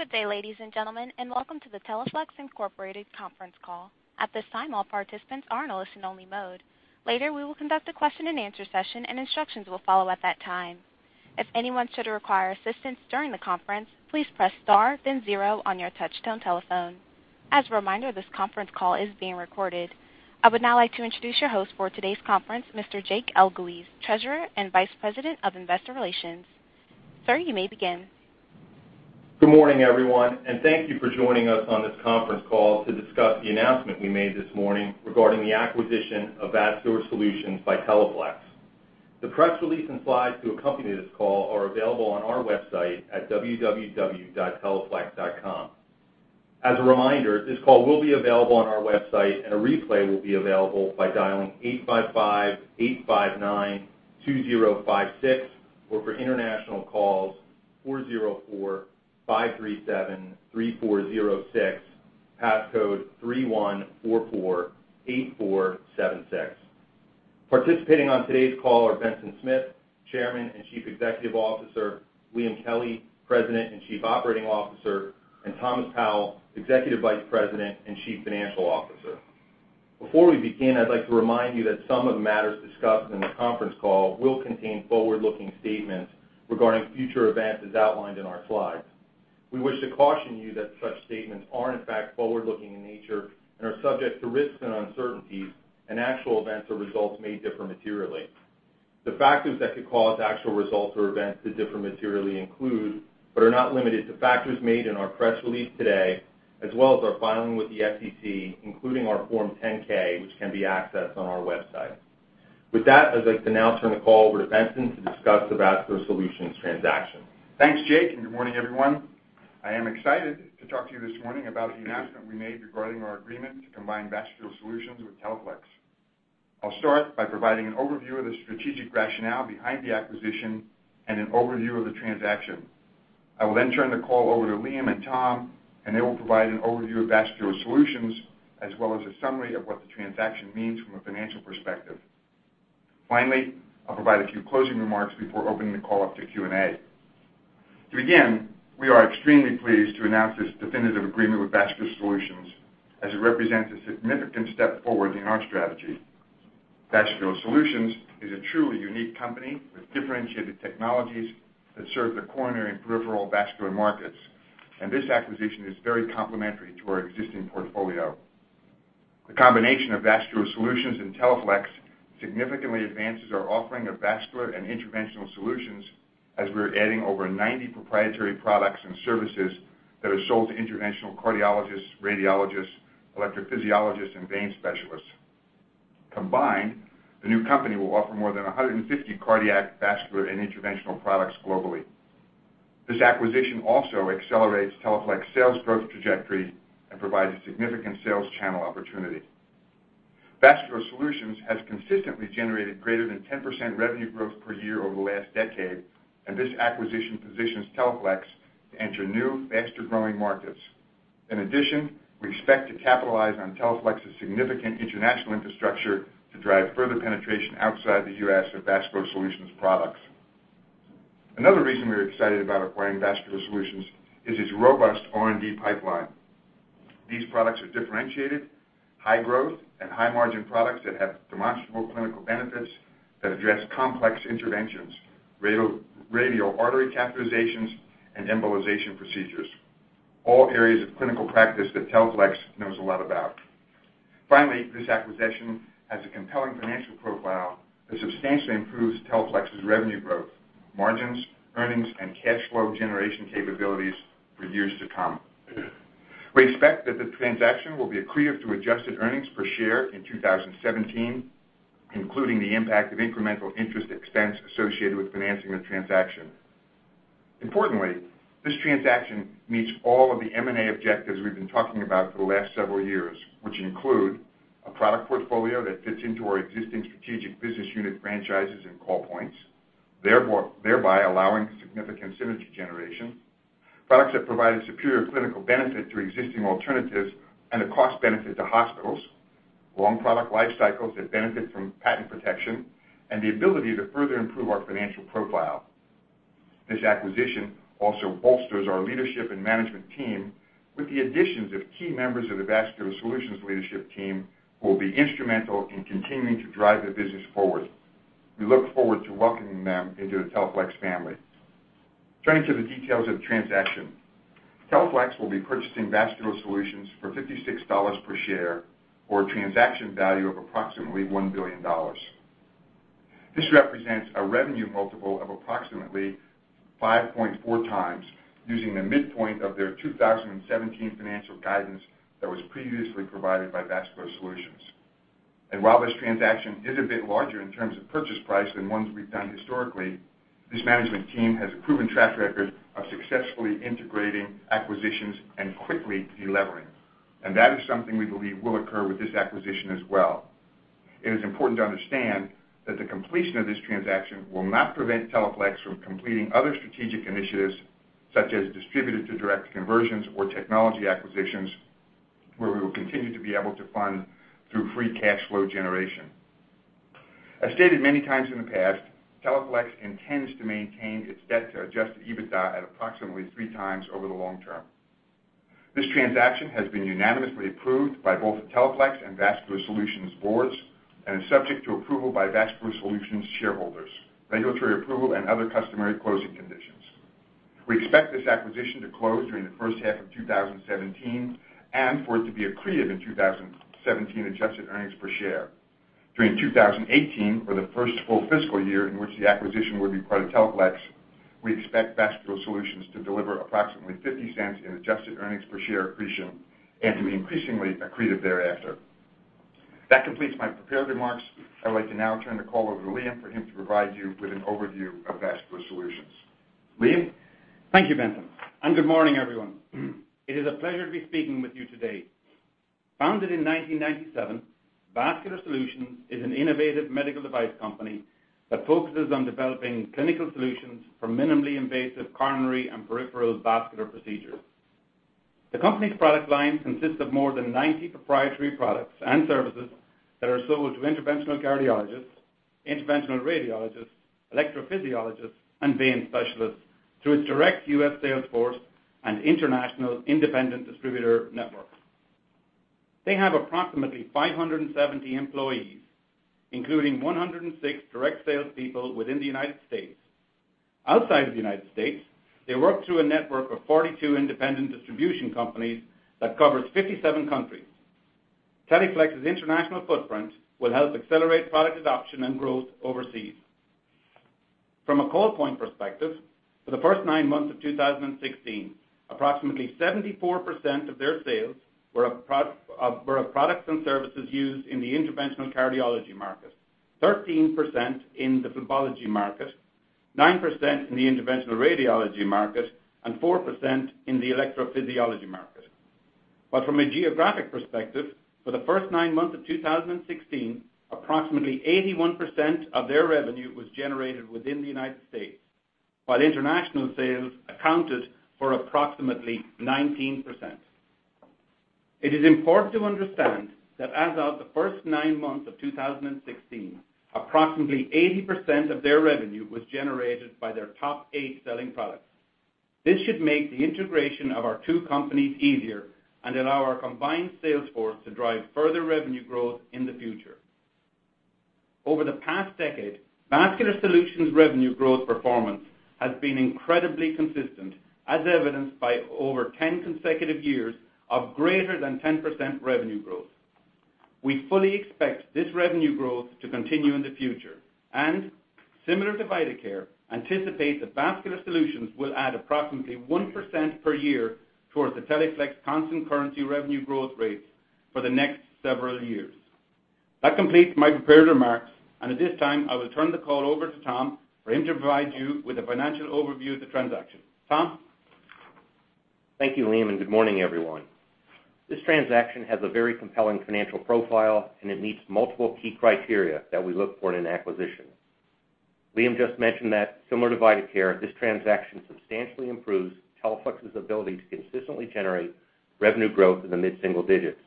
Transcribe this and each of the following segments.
Good day, ladies and gentlemen, welcome to the Teleflex Incorporated conference call. At this time, all participants are in a listen-only mode. Later, we will conduct a question and answer session and instructions will follow at that time. If anyone should require assistance during the conference, please press star then zero on your touchtone telephone. As a reminder, this conference call is being recorded. I would now like to introduce your host for today's conference, Mr. Jake Elguicze, Treasurer and Vice President of Investor Relations. Sir, you may begin. Good morning, everyone, thank you for joining us on this conference call to discuss the announcement we made this morning regarding the acquisition of Vascular Solutions by Teleflex. The press release and slides to accompany this call are available on our website at www.teleflex.com. As a reminder, this call will be available on our website. A replay will be available by dialing 855-859-2056, or for international calls, 404-537-3406, passcode 31448476. Participating on today's call are Benson Smith, Chairman and Chief Executive Officer, Liam Kelly, President and Chief Operating Officer, Thomas Powell, Executive Vice President and Chief Financial Officer. Before we begin, I'd like to remind you that some of the matters discussed in the conference call will contain forward-looking statements regarding future events as outlined in our slides. We wish to caution you that such statements are in fact forward-looking in nature and are subject to risks and uncertainties. Actual events or results may differ materially. The factors that could cause actual results or events to differ materially include, but are not limited to, factors made in our press release today, as well as our filing with the SEC, including our Form 10-K, which can be accessed on our website. With that, I'd like to now turn the call over to Benson to discuss the Vascular Solutions transaction. Thanks, Jake, good morning, everyone. I am excited to talk to you this morning about the announcement we made regarding our agreement to combine Vascular Solutions with Teleflex. I'll start by providing an overview of the strategic rationale behind the acquisition and an overview of the transaction. I will then turn the call over to Liam and Tom. They will provide an overview of Vascular Solutions, a summary of what the transaction means from a financial perspective. Finally, I'll provide a few closing remarks before opening the call up to Q&A. To begin, we are extremely pleased to announce this definitive agreement with Vascular Solutions as it represents a significant step forward in our strategy. Vascular Solutions is a truly unique company with differentiated technologies that serve the coronary and peripheral vascular markets. This acquisition is very complementary to our existing portfolio. The combination of Vascular Solutions and Teleflex significantly advances our offering of vascular and interventional solutions as we're adding over 90 proprietary products and services that are sold to interventional cardiologists, radiologists, electrophysiologists, and vein specialists. Combined, the new company will offer more than 150 cardiac, vascular, and interventional products globally. This acquisition also accelerates Teleflex's sales growth trajectory and provides a significant sales channel opportunity. Vascular Solutions has consistently generated greater than 10% revenue growth per year over the last decade, and this acquisition positions Teleflex to enter new, faster-growing markets. In addition, we expect to capitalize on Teleflex's significant international infrastructure to drive further penetration outside the U.S. of Vascular Solutions products. Another reason we're excited about acquiring Vascular Solutions is its robust R&D pipeline. These products are differentiated, high growth, and high margin products that have demonstrable clinical benefits that address complex interventions, radial artery catheterizations, and embolization procedures, all areas of clinical practice that Teleflex knows a lot about. Finally, this acquisition has a compelling financial profile that substantially improves Teleflex's revenue growth, margins, earnings, and cash flow generation capabilities for years to come. We expect that the transaction will be accretive to adjusted EPS in 2017, including the impact of incremental interest expense associated with financing the transaction. Importantly, this transaction meets all of the M&A objectives we've been talking about for the last several years, which include a product portfolio that fits into our existing strategic business unit franchises and call points, thereby allowing significant synergy generation. Products that provide a superior clinical benefit through existing alternatives and a cost benefit to hospitals, long product life cycles that benefit from patent protection, and the ability to further improve our financial profile. This acquisition also bolsters our leadership and management team with the additions of key members of the Vascular Solutions leadership team who will be instrumental in continuing to drive the business forward. We look forward to welcoming them into the Teleflex family. Turning to the details of the transaction. Teleflex will be purchasing Vascular Solutions for $56 per share or a transaction value of approximately $1 billion. This represents a revenue multiple of approximately 5.4x using the midpoint of their 2017 financial guidance that was previously provided by Vascular Solutions. While this transaction is a bit larger in terms of purchase price than ones we've done historically, this management team has a proven track record of successfully integrating acquisitions and quickly de-levering. That is something we believe will occur with this acquisition as well. It is important to understand that the completion of this transaction will not prevent Teleflex from completing other strategic initiatives such as distributor to direct conversions or technology acquisitions, where we will continue to be able to fund through free cash flow generation. I've stated many times in the past, Teleflex intends to maintain its debt to adjusted EBITDA at approximately three times over the long term. This transaction has been unanimously approved by both Teleflex and Vascular Solutions' boards and is subject to approval by Vascular Solutions' shareholders, regulatory approval, and other customary closing conditions. We expect this acquisition to close during the first half of 2017 and for it to be accretive in 2017 adjusted earnings per share. During 2018, or the first full fiscal year in which the acquisition would be part of Teleflex, we expect Vascular Solutions to deliver approximately $0.50 in adjusted earnings per share accretion and to be increasingly accretive thereafter. That completes my prepared remarks. I'd like to now turn the call over to Liam for him to provide you with an overview of Vascular Solutions. Liam? Thank you, Benson. Good morning, everyone. It is a pleasure to be speaking with you today. Founded in 1997, Vascular Solutions is an innovative medical device company that focuses on developing clinical solutions for minimally invasive coronary and peripheral vascular procedures. The company's product line consists of more than 90 proprietary products and services that are sold to interventional cardiologists, interventional radiologists, electrophysiologists, and vein specialists through its direct U.S. sales force and international independent distributor network. They have approximately 570 employees, including 106 direct salespeople within the United States. Outside of the United States, they work through a network of 42 independent distribution companies that covers 57 countries. Teleflex's international footprint will help accelerate product adoption and growth overseas. From a call point perspective, for the first nine months of 2016, approximately 74% of their sales were of products and services used in the interventional cardiology market, 13% in the phlebology market, 9% in the interventional radiology market, and 4% in the electrophysiology market. From a geographic perspective, for the first nine months of 2016, approximately 81% of their revenue was generated within the United States, while international sales accounted for approximately 19%. It is important to understand that as of the first nine months of 2016, approximately 80% of their revenue was generated by their top eight selling products. This should make the integration of our two companies easier and allow our combined sales force to drive further revenue growth in the future. Over the past decade, Vascular Solutions' revenue growth performance has been incredibly consistent, as evidenced by over 10 consecutive years of greater than 10% revenue growth. We fully expect this revenue growth to continue in the future and, similar to Vidacare, anticipate that Vascular Solutions will add approximately 1% per year towards the Teleflex constant currency revenue growth rates for the next several years. That completes my prepared remarks. At this time, I will turn the call over to Tom for him to provide you with a financial overview of the transaction. Tom? Thank you, Liam, and good morning, everyone. This transaction has a very compelling financial profile, and it meets multiple key criteria that we look for in an acquisition. Liam just mentioned that similar to Vidacare, this transaction substantially improves Teleflex's ability to consistently generate revenue growth in the mid-single digits.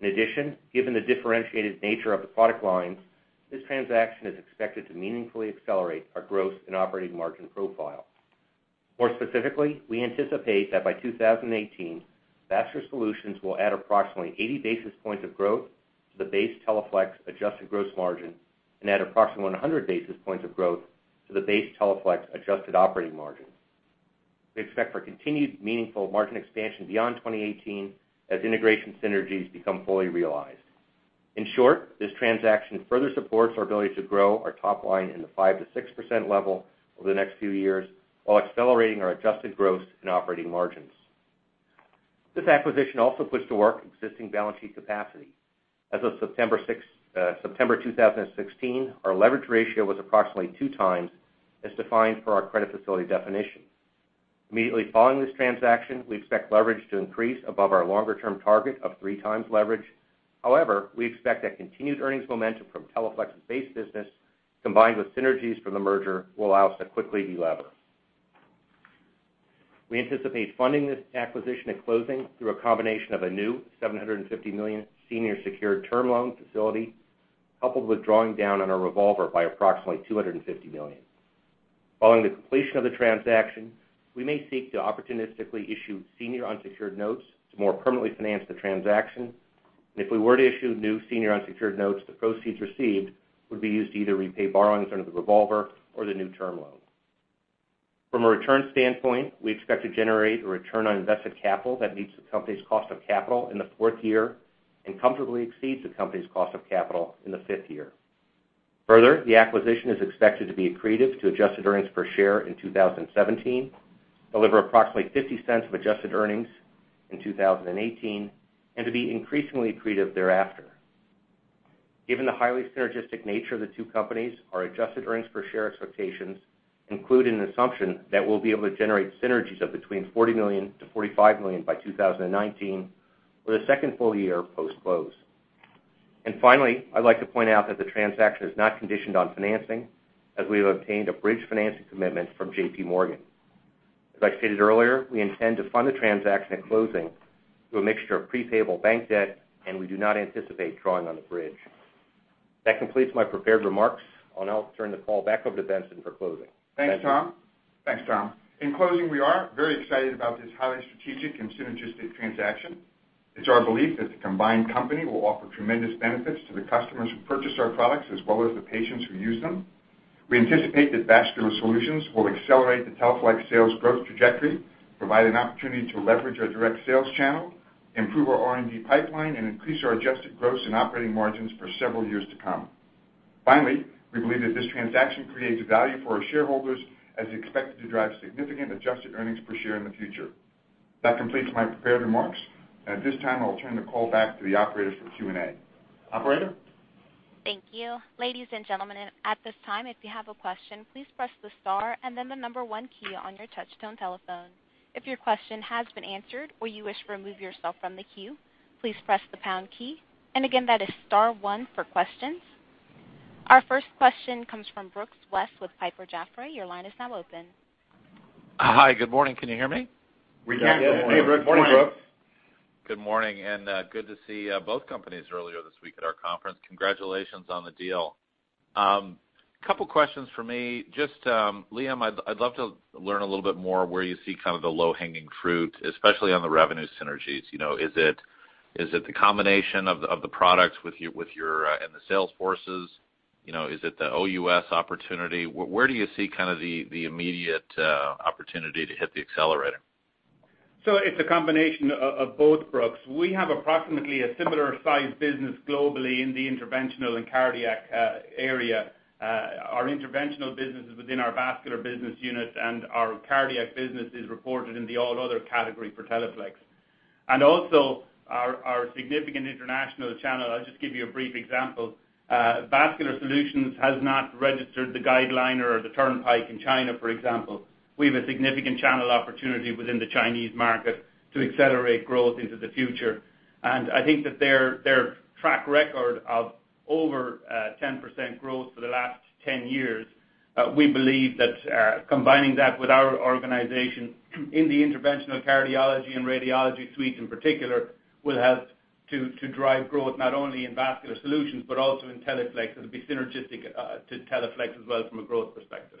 In addition, given the differentiated nature of the product lines, this transaction is expected to meaningfully accelerate our growth and operating margin profile. More specifically, we anticipate that by 2018, Vascular Solutions will add approximately 80 basis points of growth to the base Teleflex adjusted gross margin and add approximately 100 basis points of growth to the base Teleflex adjusted operating margin. We expect for continued meaningful margin expansion beyond 2018 as integration synergies become fully realized. In short, this transaction further supports our ability to grow our top line in the 5%-6% level over the next few years while accelerating our adjusted gross and operating margins. This acquisition also puts to work existing balance sheet capacity. As of September 2016, our leverage ratio was approximately two times, as defined for our credit facility definition. Immediately following this transaction, we expect leverage to increase above our longer-term target of three times leverage. We expect that continued earnings momentum from Teleflex's base business, combined with synergies from the merger, will allow us to quickly delever. We anticipate funding this acquisition and closing through a combination of a new $750 million senior secured term loan facility, coupled with drawing down on our revolver by approximately $250 million. Following the completion of the transaction, we may seek to opportunistically issue senior unsecured notes to more permanently finance the transaction. If we were to issue new senior unsecured notes, the proceeds received would be used to either repay borrowings under the revolver or the new term loan. From a return standpoint, we expect to generate a return on invested capital that meets the company's cost of capital in the fourth year and comfortably exceeds the company's cost of capital in the fifth year. Further, the acquisition is expected to be accretive to adjusted earnings per share in 2017, deliver approximately $0.50 of adjusted earnings in 2018, and to be increasingly accretive thereafter. Given the highly synergistic nature of the two companies, our adjusted earnings per share expectations include an assumption that we'll be able to generate synergies of between $40 million-$45 million by 2019, or the second full year post-close. Finally, I'd like to point out that the transaction is not conditioned on financing, as we have obtained a bridge financing commitment from JPMorgan. As I stated earlier, we intend to fund the transaction at closing through a mixture of pre-payable bank debt, and we do not anticipate drawing on the bridge. That completes my prepared remarks. I'll now turn the call back over to Benson for closing. Benson? Thanks, Tom. In closing, we are very excited about this highly strategic and synergistic transaction. It's our belief that the combined company will offer tremendous benefits to the customers who purchase our products, as well as the patients who use them. We anticipate that Vascular Solutions will accelerate the Teleflex sales growth trajectory, provide an opportunity to leverage our direct sales channel, improve our R&D pipeline, and increase our adjusted gross and operating margins for several years to come. Finally, we believe that this transaction creates value for our shareholders, as it's expected to drive significant adjusted earnings per share in the future. That completes my prepared remarks. At this time, I'll turn the call back to the operator for Q&A. Operator? Thank you. Ladies and gentlemen, at this time, if you have a question, please press the star and then the number one key on your touch-tone telephone. If your question has been answered or you wish to remove yourself from the queue, please press the pound key. Again, that is star one for questions. Our first question comes from Brooks West with Piper Jaffray. Your line is now open. Hi. Good morning. Can you hear me? We can. Good morning. Yes. Good morning, Brooks. Good morning, good to see both companies earlier this week at our conference. Congratulations on the deal. Couple questions from me. Just, Liam, I'd love to learn a little bit more where you see kind of the low-hanging fruit, especially on the revenue synergies. Is it the combination of the products and the sales forces? Is it the OUS opportunity? Where do you see kind of the immediate opportunity to hit the accelerator? It's a combination of both, Brooks. We have approximately a similar size business globally in the interventional and cardiac area. Our interventional business is within our vascular business unit, and our cardiac business is reported in the all other category for Teleflex. Also, our significant international channel. I'll just give you a brief example. Vascular Solutions has not registered the GuideLiner or the Turnpike in China, for example. We have a significant channel opportunity within the Chinese market to accelerate growth into the future, and I think that their track record of over 10% growth for the last 10 years, we believe that combining that with our organization in the interventional cardiology and radiology suite, in particular, will help to drive growth not only in Vascular Solutions, but also in Teleflex. It'll be synergistic to Teleflex as well from a growth perspective.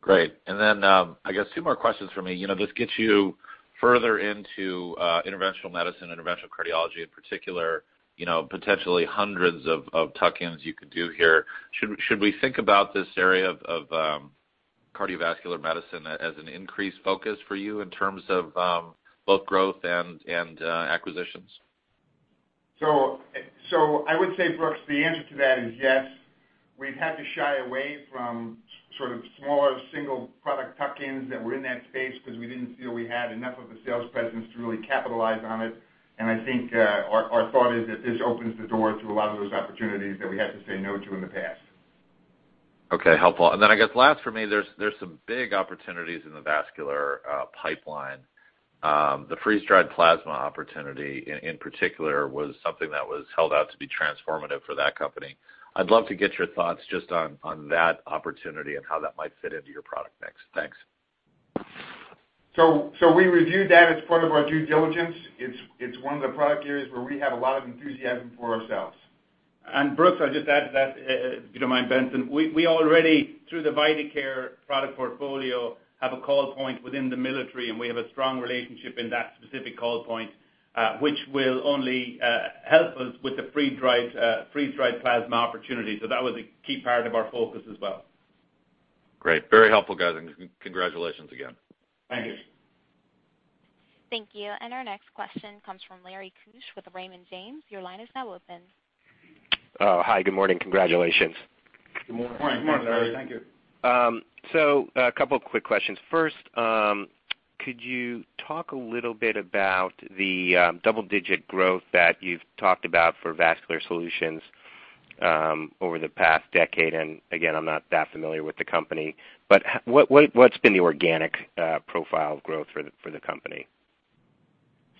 Great. I guess two more questions from me. This gets you further into interventional medicine, interventional cardiology in particular, potentially hundreds of tuck-ins you could do here. Should we think about this area of cardiovascular medicine as an increased focus for you in terms of both growth and acquisitions? I would say, Brooks, the answer to that is yes. We've had to shy away from sort of smaller single product tuck-ins that were in that space because we didn't feel we had enough of a sales presence to really capitalize on it. I think our thought is that this opens the door to a lot of those opportunities that we had to say no to in the past. Okay. Helpful. I guess last for me, there's some big opportunities in the Vascular pipeline. The freeze-dried plasma opportunity in particular was something that was held out to be transformative for that company. I'd love to get your thoughts just on that opportunity and how that might fit into your product mix. Thanks. We reviewed that as part of our due diligence. It's one of the product areas where we have a lot of enthusiasm for ourselves. Brooks, I'll just add to that, if you don't mind, Benson. We already, through the Vidacare product portfolio, have a call point within the military, and we have a strong relationship in that specific call point, which will only help us with the freeze-dried plasma opportunity. That was a key part of our focus as well. Great. Very helpful, guys. Congratulations again. Thank you. Thank you. Our next question comes from Lawrence Keusch with Raymond James. Your line is now open. Hi. Good morning. Congratulations. Good morning. Good morning, Larry. Thank you. A couple of quick questions. First, could you talk a little bit about the double-digit growth that you've talked about for Vascular Solutions over the past decade? Again, I'm not that familiar with the company, but what's been the organic profile of growth for the company?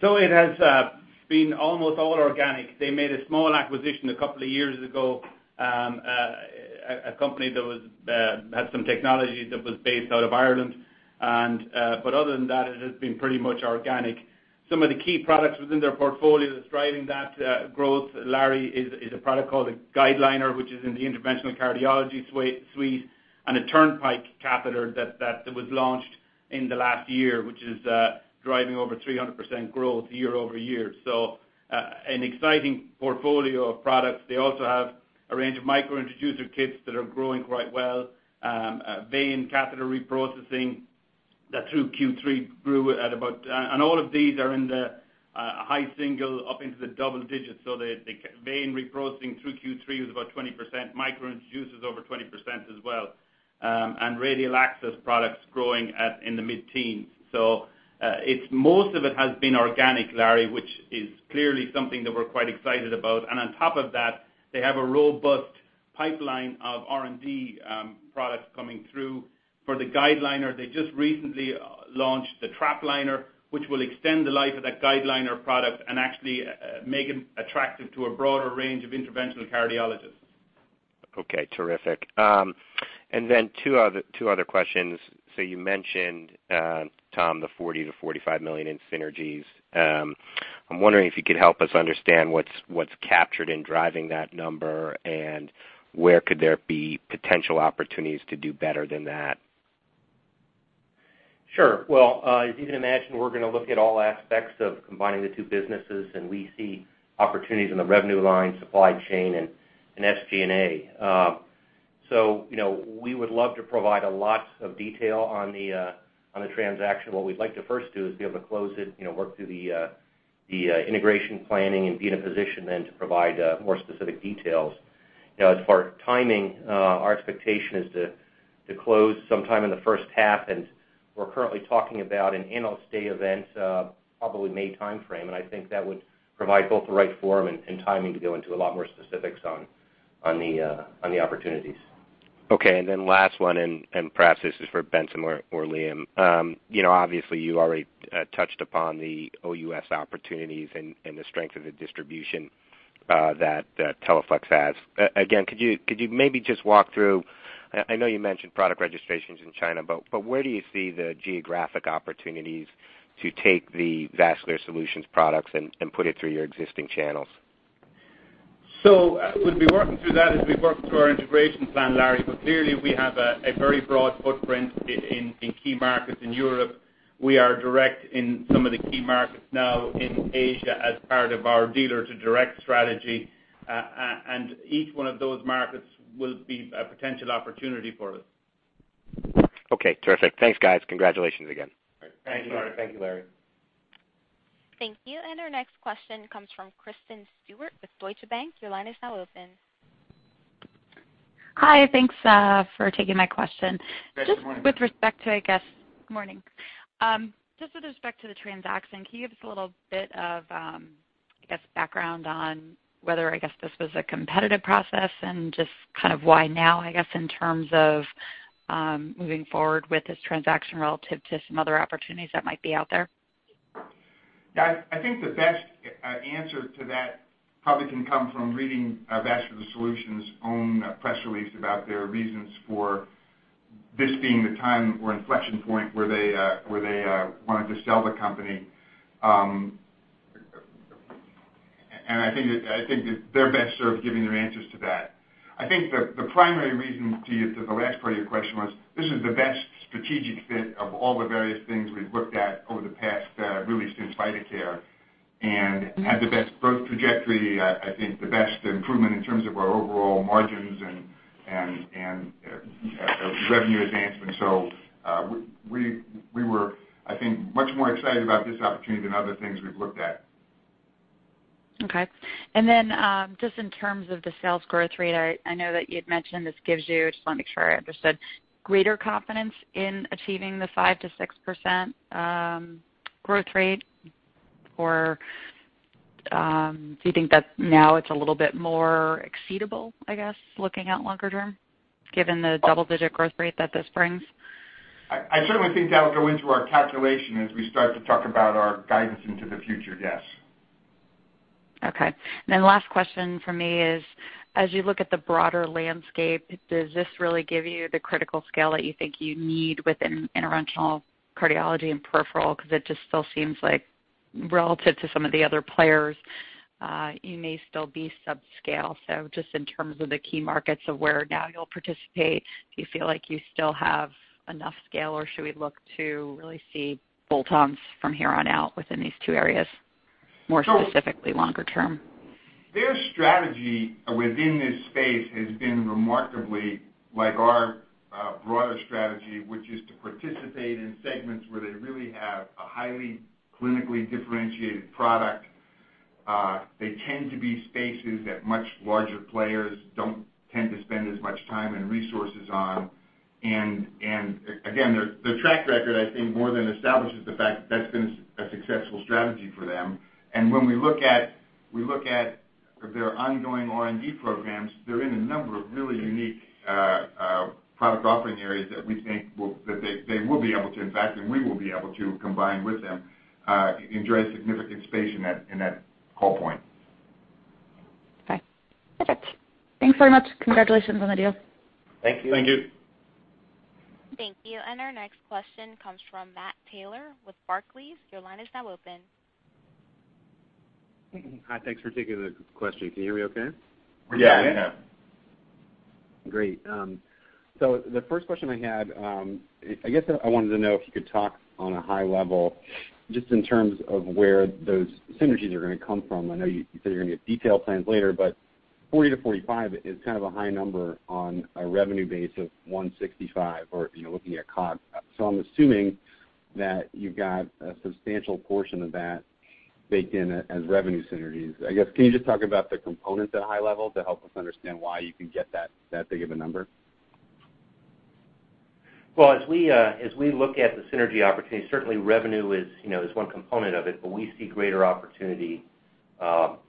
It has been almost all organic. They made a small acquisition a couple of years ago, a company that had some technology that was based out of Ireland. Other than that, it has been pretty much organic. Some of the key products within their portfolio that is driving that growth, Larry, is a product called GuideLiner, which is in the interventional cardiology suite, and a Turnpike catheter that was launched in the last year, which is driving over 300% growth year-over-year. An exciting portfolio of products. They also have a range of micro-introducer kits that are growing quite well. All of these are in the high single up into the double digits. The vein reprocessing through Q3 was about 20%. Micro-Introducer is over 20% as well. Radial access products growing in the mid-teens. Most of it has been organic, Larry, which is clearly something that we are quite excited about. On top of that, they have a robust pipeline of R&D products coming through. For the GuideLiner, they just recently launched the TrapLiner, which will extend the life of that GuideLiner product and actually make it attractive to a broader range of interventional cardiologists. Okay, terrific. Then two other questions. You mentioned, Tom, the $40 million-$45 million in synergies. I am wondering if you could help us understand what is captured in driving that number and where could there be potential opportunities to do better than that? Sure. As you can imagine, we are going to look at all aspects of combining the two businesses. We see opportunities in the revenue line, supply chain, and SG&A. We would love to provide a lot of detail on the transaction. What we would like to first do is be able to close it, work through the integration planning and be in a position then to provide more specific details. As far as timing, our expectation is to close sometime in the first half. We are currently talking about an analyst day event, probably May timeframe. I think that would provide both the right forum and timing to go into a lot more specifics on the opportunities. Last one, perhaps this is for Benson or Liam. Obviously, you already touched upon the OUS opportunities and the strength of the distribution that Teleflex has. Could you maybe just walk through, I know you mentioned product registrations in China, but where do you see the geographic opportunities to take the Vascular Solutions products and put it through your existing channels? We'll be working through that as we work through our integration plan, Larry. Clearly we have a very broad footprint in key markets in Europe. We are direct in some of the key markets now in Asia as part of our dealer-to-direct strategy. Each one of those markets will be a potential opportunity for us. Terrific. Thanks, guys. Congratulations again. Thank you, Larry. Thank you, Larry. Thank you. Our next question comes from Kristen Stewart with Deutsche Bank. Your line is now open. Hi, thanks for taking my question. Good morning. Good morning. Just with respect to the transaction, can you give us a little bit of, I guess, background on whether this was a competitive process and just kind of why now, I guess, in terms of moving forward with this transaction relative to some other opportunities that might be out there? I think the best answer to that probably can come from reading Vascular Solutions' own press release about their reasons for this being the time or inflection point where they wanted to sell the company. I think they're best served giving their answers to that. I think the primary reason to the last part of your question was this is the best strategic fit of all the various things we've looked at over the past, really since Vidacare, and had the best growth trajectory, I think the best improvement in terms of our overall margins and revenue advancement. We were, I think, much more excited about this opportunity than other things we've looked at. Okay. Just in terms of the sales growth rate, I know that you'd mentioned this gives you, just want to make sure I understood, greater confidence in achieving the 5%-6% growth rate, or do you think that now it's a little bit more exceedable, I guess, looking out longer term, given the double-digit growth rate that this brings? I certainly think that'll go into our calculation as we start to talk about our guidance into the future, yes. Okay. Last question from me is, as you look at the broader landscape, does this really give you the critical scale that you think you need within interventional cardiology and peripheral? Because it just still seems like relative to some of the other players, you may still be subscale. Just in terms of the key markets of where now you'll participate, do you feel like you still have enough scale, or should we look to really see bolt-ons from here on out within these two areas, more specifically longer term? Their strategy within this space has been remarkably like our broader strategy, which is to participate in segments where they really have a highly clinically differentiated product. They tend to be spaces that much larger players don't tend to spend as much time and resources on. Again, their track record, I think, more than establishes the fact that that's been a successful strategy for them. When we look at their ongoing R&D programs, they're in a number of really unique product offering areas that we think that they will be able to impact and we will be able to combine with them, enjoy a significant space in that call point. Okay. Perfect. Thanks very much. Congratulations on the deal. Thank you. Thank you. Thank you. Our next question comes from Matt Taylor with Barclays. Your line is now open. Hi, thanks for taking the question. Can you hear me okay? Yeah. Yeah. Great. The first question I had, I guess I wanted to know if you could talk on a high level just in terms of where those synergies are going to come from. I know you said you're going to get detailed plans later, but $40 million-$45 million is kind of a high number on a revenue base of $165 million or looking at COGS. I'm assuming that you've got a substantial portion of that baked in as revenue synergies. I guess, can you just talk about the components at a high level to help us understand why you can get that big of a number? As we look at the synergy opportunity, certainly revenue is one component of it, but we see greater opportunity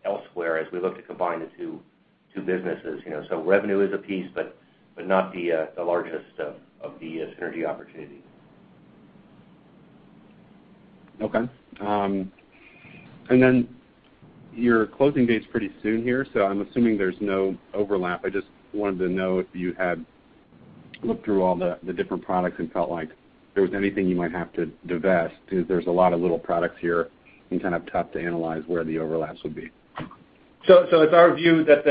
elsewhere as we look to combine the two businesses. Revenue is a piece, but not the largest of the synergy opportunities. Okay. Your closing date's pretty soon here, so I'm assuming there's no overlap. I just wanted to know if you had looked through all the different products and felt like there was anything you might have to divest, because there's a lot of little products here, and kind of tough to analyze where the overlaps would be. It's our view that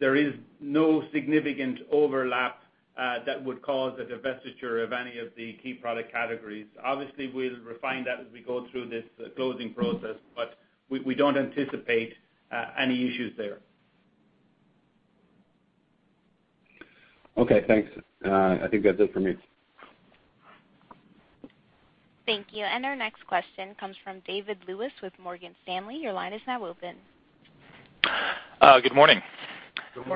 there is no significant overlap that would cause a divestiture of any of the key product categories. Obviously, we'll refine that as we go through this closing process, but we don't anticipate any issues there. Okay, thanks. I think that's it for me. Thank you. Our next question comes from David Lewis with Morgan Stanley. Your line is now open. Good morning. Good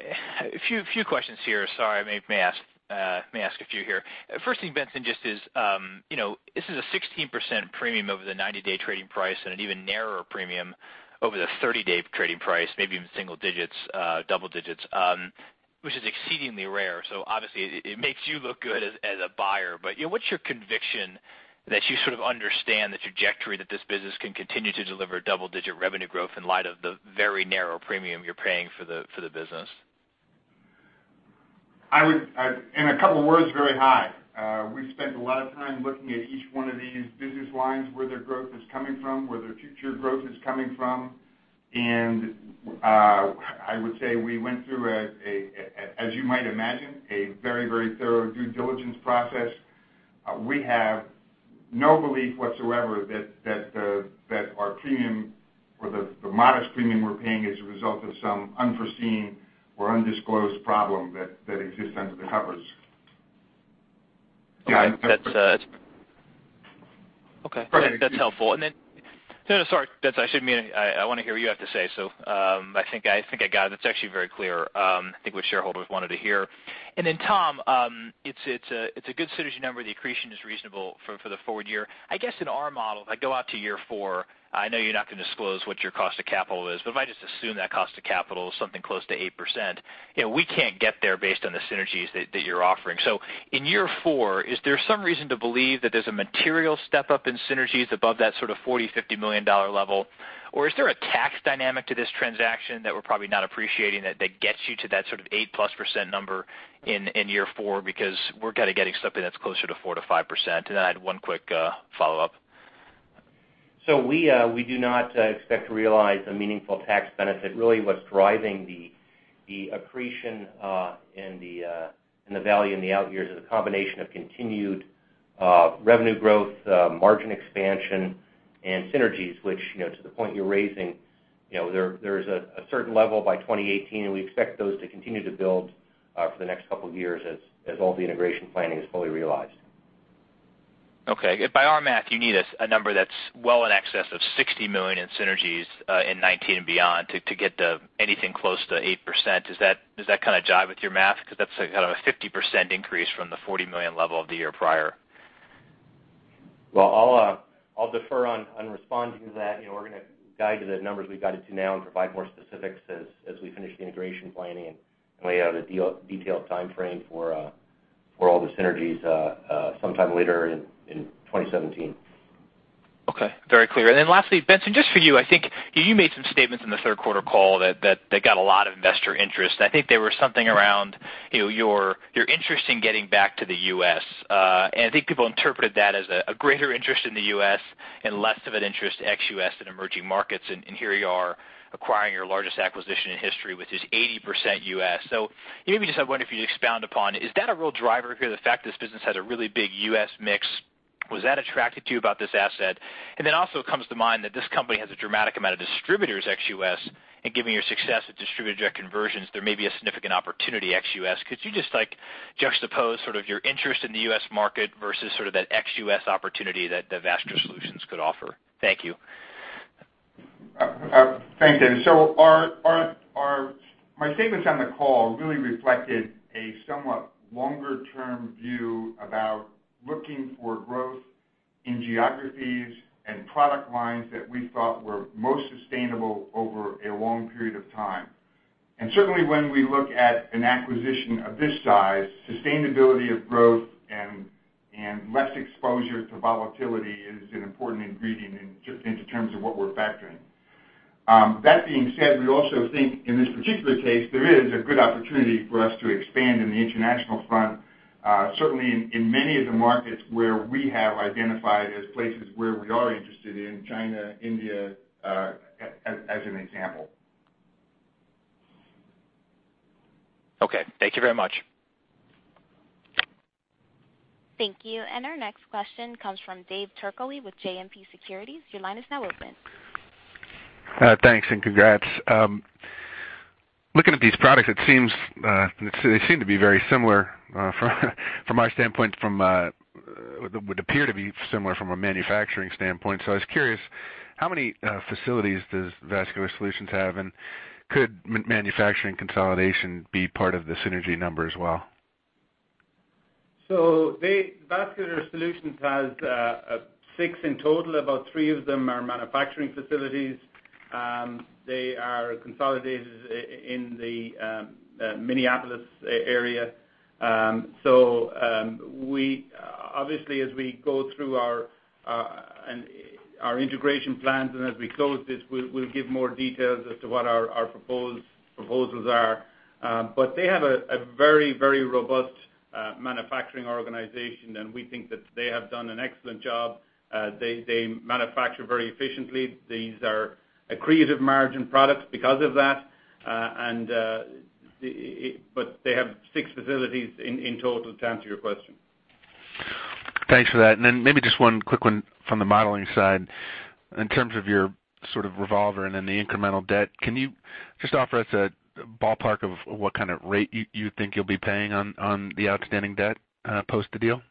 morning. A few questions here. Sorry, may ask a few here. First thing, Benson, just, this is a 16% premium over the 90-day trading price and an even narrower premium over the 30-day trading price, maybe even single digits, double digits, which is exceedingly rare. Obviously, it makes you look good as a buyer, but what's your conviction that you sort of understand the trajectory that this business can continue to deliver double-digit revenue growth in light of the very narrow premium you're paying for the business? In a couple words, very high. We've spent a lot of time looking at each one of these business lines, where their growth is coming from, where their future growth is coming from. I would say we went through, as you might imagine, a very thorough due diligence process. We have no belief whatsoever that our premium or the modest premium we're paying is a result of some unforeseen or undisclosed problem that exists under the covers. Okay. That's helpful. No, sorry, Benson, I want to hear what you have to say. I think I got it. It's actually very clear, I think what shareholders wanted to hear. Tom, it's a good synergy number. The accretion is reasonable for the forward year. I guess in our model, if I go out to year 4, I know you're not going to disclose what your cost of capital is, but if I just assume that cost of capital is something close to 8%, we can't get there based on the synergies that you're offering. In year 4, is there some reason to believe that there's a material step-up in synergies above that sort of $40 million-$50 million level? Is there a tax dynamic to this transaction that we're probably not appreciating that gets you to that sort of 8%+ number in year 4? Because we're kind of getting something that's closer to 4%-5%. I had one quick follow-up. We do not expect to realize a meaningful tax benefit. Really what's driving the accretion and the value in the out years is a combination of continued revenue growth, margin expansion, and synergies, which, to the point you're raising, there is a certain level by 2018. We expect those to continue to build for the next couple of years as all the integration planning is fully realized. Okay. By our math, you need a number that's well in excess of $60 million in synergies in 2019 and beyond to get anything close to 8%. Does that kind of jive with your math? Because that's a 50% increase from the $40 million level of the year prior. Well, I'll defer on responding to that. We're going to guide to the numbers we've guided to now and provide more specifics as we finish the integration planning and lay out a detailed timeframe for all the synergies sometime later in 2017. Okay. Very clear. Lastly, Benson, just for you, I think you made some statements in the third quarter call that got a lot of investor interest. I think they were something around your interest in getting back to the U.S. I think people interpreted that as a greater interest in the U.S. and less of an interest ex-U.S. and emerging markets. Here you are acquiring your largest acquisition in history, which is 80% U.S. Maybe just I wonder if you could expound upon, is that a real driver here, the fact this business has a really big U.S. mix? Was that attractive to you about this asset? Then also comes to mind that this company has a dramatic amount of distributors ex-U.S., and given your success with distributor conversions, there may be a significant opportunity ex-U.S. Could you just juxtapose sort of your interest in the U.S. market versus sort of that ex-U.S. opportunity that Vascular Solutions could offer? Thank you. Thanks, David. My statements on the call really reflected a somewhat longer-term view about looking for growth in geographies and product lines that we thought were most sustainable over a long period of time. Certainly, when we look at an acquisition of this size, sustainability of growth and less exposure to volatility is an important ingredient just in terms of what we're factoring. That being said, we also think in this particular case, there is a good opportunity for us to expand in the international front. Certainly in many of the markets where we have identified as places where we are interested in China, India, as an example. Okay. Thank you very much. Thank you. Our next question comes from Dave Turkaly with JMP Securities. Your line is now open. Thanks, congrats. Looking at these products, they seem to be very similar from our standpoint, would appear to be similar from a manufacturing standpoint. I was curious, how many facilities does Vascular Solutions have, and could manufacturing consolidation be part of the synergy number as well? Vascular Solutions has six in total. About three of them are manufacturing facilities. They are consolidated in the Minneapolis area. Obviously, as we go through our integration plans and as we close this, we'll give more details as to what our proposals are. They have a very robust manufacturing organization, and we think that they have done an excellent job. They manufacture very efficiently. These are accretive margin products because of that. They have six facilities in total to answer your question. Thanks for that. Maybe just one quick one from the modeling side. In terms of your sort of revolver and then the incremental debt, can you just offer us a ballpark of what kind of rate you think you'll be paying on the outstanding debt post the deal?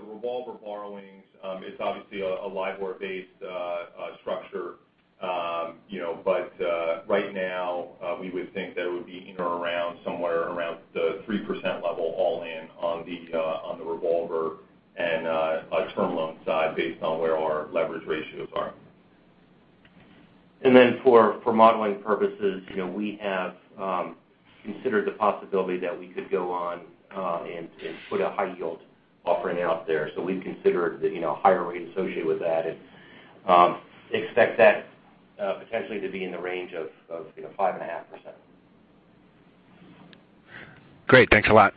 The revolver borrowings, it's obviously a LIBOR-based structure. Right now, we would think that it would be in or around somewhere around the 3% level all-in on the revolver and term loan side based on where our leverage ratios are. For modeling purposes, we have considered the possibility that we could go on and put a high yield offering out there. We've considered the higher rate associated with that and expect that potentially to be in the range of 5.5%. Great. Thanks a lot.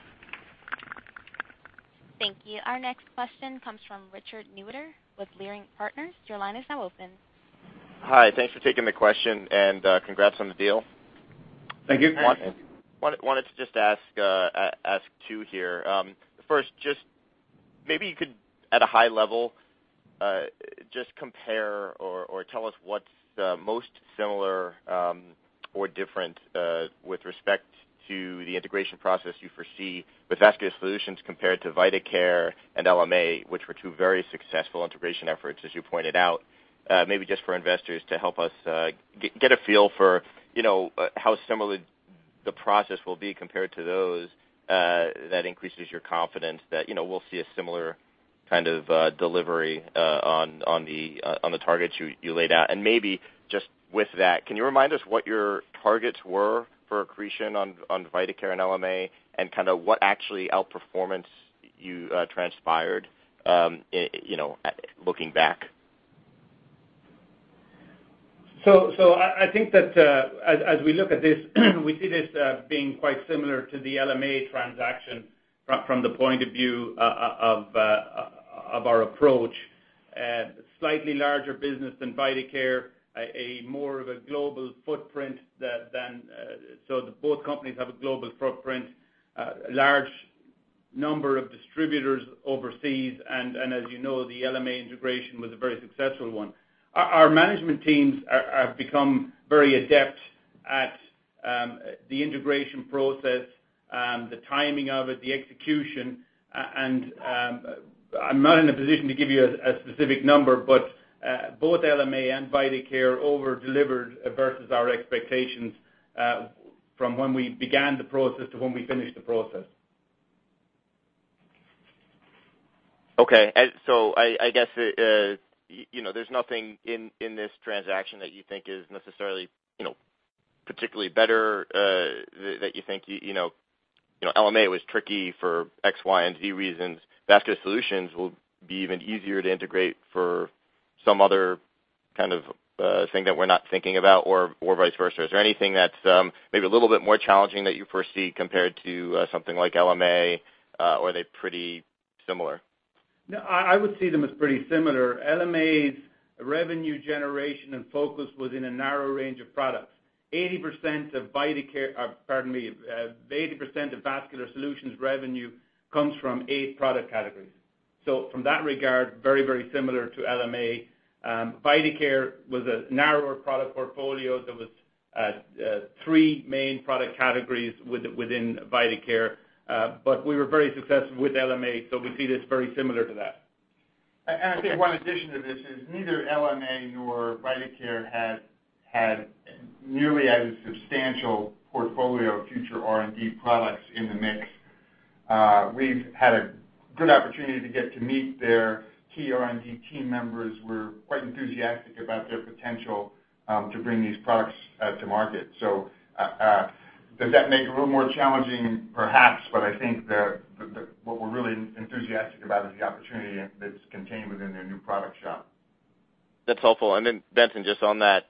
Thank you. Our next question comes from Richard Newitter with Leerink Partners. Your line is now open. Hi. Thanks for taking the question and congrats on the deal. Thank you. Wanted to just ask two here. First, just maybe you could, at a high level, just compare or tell us what's most similar or different with respect to the integration process you foresee with Vascular Solutions compared to Vidacare and LMA, which were two very successful integration efforts, as you pointed out. Maybe just for investors to help us get a feel for how similar the process will be compared to those that increases your confidence that we'll see a similar kind of delivery on the targets you laid out. Maybe just with that, can you remind us what your targets were for accretion on Vidacare and LMA and kind of what actually out-performance transpired looking back? I think that as we look at this, we see this as being quite similar to the LMA transaction from the point of view of our approach. Slightly larger business than Vidacare, a more of a global footprint. Both companies have a global footprint, a large number of distributors overseas, and as you know, the LMA integration was a very successful one. Our management teams have become very adept at the integration process, the timing of it, the execution, and I'm not in a position to give you a specific number, but both LMA and Vidacare over-delivered versus our expectations from when we began the process to when we finished the process. Okay. I guess there's nothing in this transaction that you think is necessarily particularly better that you think LMA was tricky for X, Y, and Z reasons. Vascular Solutions will be even easier to integrate for some other kind of thing that we're not thinking about or vice versa. Is there anything that's maybe a little bit more challenging that you foresee compared to something like LMA or they're pretty similar? No, I would see them as pretty similar. LMA's revenue generation and focus was in a narrow range of products. 80% of Vascular Solutions revenue comes from eight product categories. From that regard, very similar to LMA. Vidacare was a narrower product portfolio. There was three main product categories within Vidacare, but we were very successful with LMA, we see this very similar to that. I think one addition to this is neither LMA nor Vidacare had nearly as substantial portfolio of future R&D products in the mix. We've had a good opportunity to get to meet their key R&D team members. We're quite enthusiastic about their potential to bring these products to market. Does that make it a little more challenging? Perhaps, but I think that what we're really enthusiastic about is the opportunity that's contained within their new product shop. That's helpful. Benson, just on that,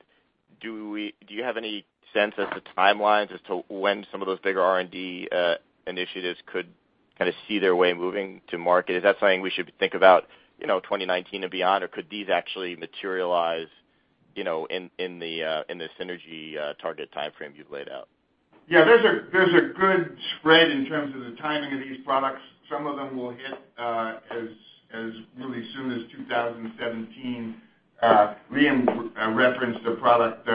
do you have any sense as to timelines as to when some of those bigger R&D initiatives could kind of see their way moving to market? Is that something we should think about 2019 and beyond, or could these actually materialize in the synergy target timeframe you've laid out? There's a good spread in terms of the timing of these products. Some of them will hit as really soon as 2017. Liam referenced a product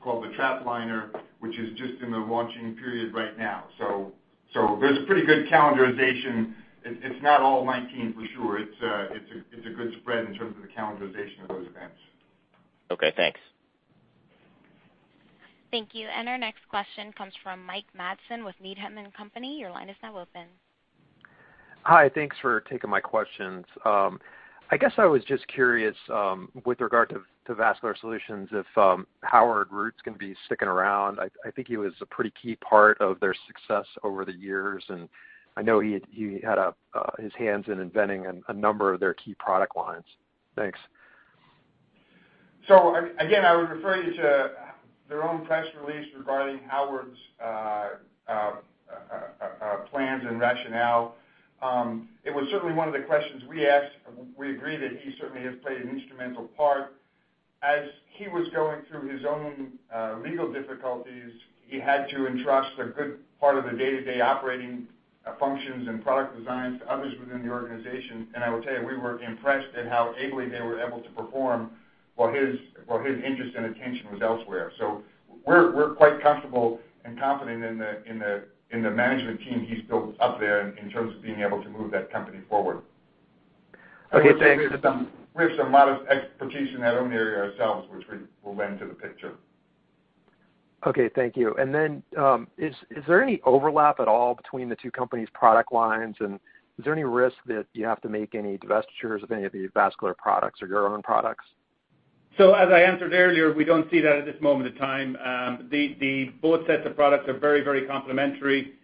called the TrapLiner, which is just in the launching period right now. There's a pretty good calendarization. It's not all 2019, for sure. It's a good spread in terms of the calendarization of those events. Thanks. Thank you. Our next question comes from Mike Matson with Needham & Company. Your line is now open. Hi. Thanks for taking my questions. I guess I was just curious, with regard to Vascular Solutions, if Howard Root's going to be sticking around. I think he was a pretty key part of their success over the years, and I know he had his hands in inventing a number of their key product lines. Thanks. Again, I would refer you to their own press release regarding Howard's plans and rationale. It was certainly one of the questions we asked. We agree that he certainly has played an instrumental part. As he was going through his own legal difficulties, he had to entrust a good part of the day-to-day operating functions and product designs to others within the organization. I will tell you, we were impressed at how ably they were able to perform while his interest and attention was elsewhere. We're quite comfortable and confident in the management team he's built up there in terms of being able to move that company forward. Okay, thank- We have some modest expertise in that own area ourselves, which we will lend to the picture. Okay, thank you. Is there any overlap at all between the two companies' product lines? Is there any risk that you have to make any divestitures of any of the vascular products or your own products? As I answered earlier, we don't see that at this moment in time. Both sets of products are very complementary.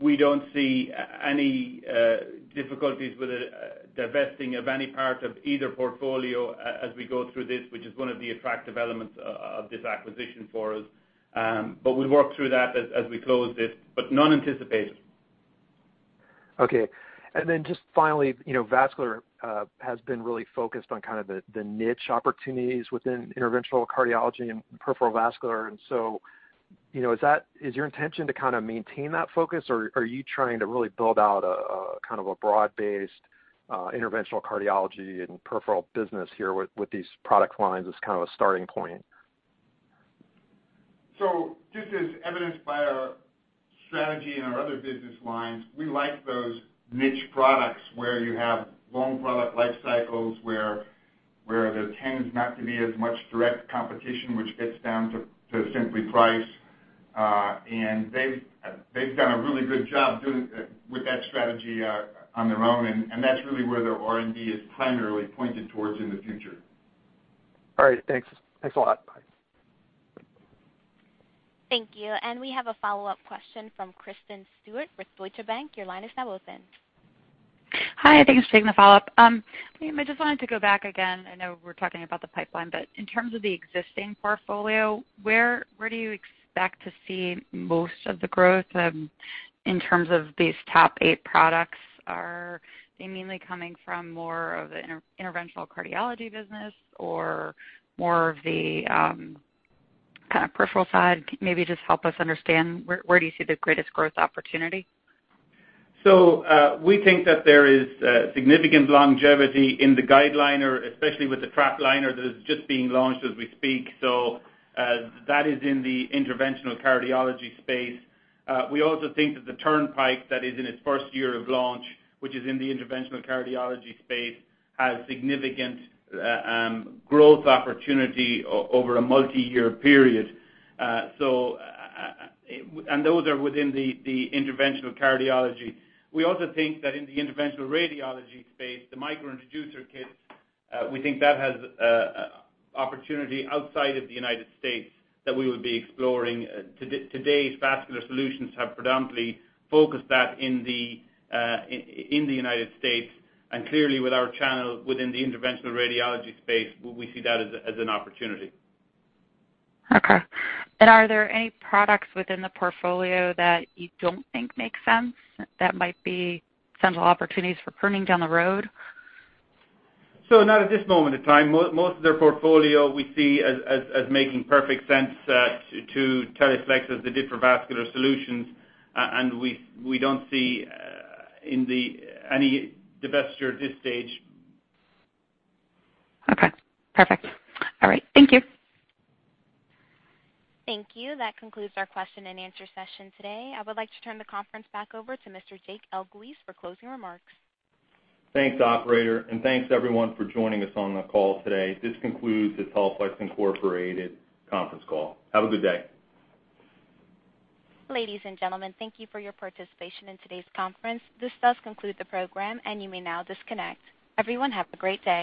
We don't see any difficulties with divesting of any part of either portfolio as we go through this, which is one of the attractive elements of this acquisition for us. We'll work through that as we close this, but none anticipated. Okay. Just finally, Vascular has been really focused on kind of the niche opportunities within interventional cardiology and peripheral vascular. Is your intention to kind of maintain that focus, or are you trying to really build out a kind of a broad-based interventional cardiology and peripheral business here with these product lines as kind of a starting point? Just as evidenced by our strategy and our other business lines, we like those niche products where you have long product life cycles, where there tends not to be as much direct competition, which gets down to simply price. They've done a really good job with that strategy on their own, and that's really where their R&D is primarily pointed towards in the future. All right, thanks. Thanks a lot. Bye. Thank you. We have a follow-up question from Kristen Stewart with Deutsche Bank. Your line is now open. Hi, thanks for taking the follow-up. Liam, I just wanted to go back again. I know we're talking about the pipeline, but in terms of the existing portfolio, where do you expect to see most of the growth in terms of these top eight products? Are they mainly coming from more of the interventional cardiology business or more of the kind of peripheral side? Maybe just help us understand, where do you see the greatest growth opportunity? We think that there is significant longevity in the GuideLiner, especially with the TrapLiner that is just being launched as we speak. That is in the interventional cardiology space. We also think that the Turnpike that is in its first year of launch, which is in the interventional cardiology space, has significant growth opportunity over a multi-year period. Those are within the interventional cardiology. We also think that in the interventional radiology space, the micro-introducer kits, we think that has opportunity outside of the U.S. that we will be exploring. To date, Vascular Solutions have predominantly focused that in the U.S., clearly with our channel within the interventional radiology space, we see that as an opportunity. Okay. Are there any products within the portfolio that you don't think make sense that might be potential opportunities for pruning down the road? Not at this moment in time. Most of their portfolio we see as making perfect sense to Teleflex as they did for Vascular Solutions, we don't see any divestiture at this stage. Okay. Perfect. All right. Thank you. Thank you. That concludes our question and answer session today. I would like to turn the conference back over to Mr. Jake Elguicze for closing remarks. Thanks, operator, thanks everyone for joining us on the call today. This concludes the Teleflex Incorporated conference call. Have a good day. Ladies and gentlemen, thank you for your participation in today's conference. This does conclude the program, and you may now disconnect. Everyone, have a great day.